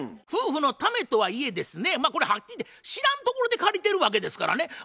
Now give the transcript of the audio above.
夫婦のためとはいえですねこれはっきり言って知らんところで借りてるわけですからね。